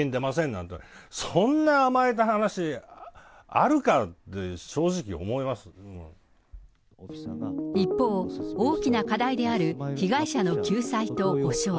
なんてのは、そんな甘えた話あるか一方、大きな課題である被害者の救済と補償。